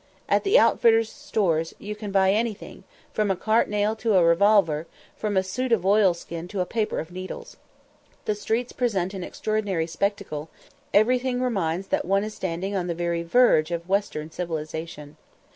At the outfitters' stores you can buy anything, from a cart nail to a revolver; from a suit of oilskin to a paper of needles. The streets present an extraordinary spectacle. Everything reminds that one is standing on the very verge of western civilisation.